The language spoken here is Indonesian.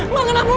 mak kenapa mak